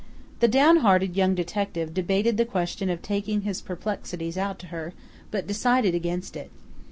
The down hearted young detective debated the question of taking his perplexities out to her, but decided against it.